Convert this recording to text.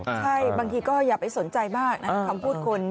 ใช่บางทีก็อย่าไปสนใจมากนะคำพูดคน